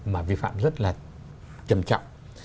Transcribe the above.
mà vi phạm rất là chẩm trọng